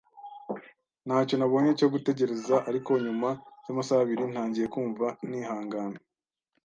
Ntacyo nabonye cyo gutegereza, ariko nyuma yamasaha abiri ntangiye kumva ntihangana.